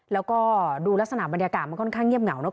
แล้วก็ดูลักษณะบรรยากาศมันค่อนข้างเงียบเหงานะ